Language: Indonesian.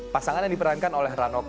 pasangan yang diperankan oleh ranoko